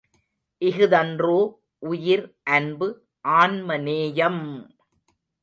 இஃதன்றோ உயிர் அன்பு ஆன்மநேயம்!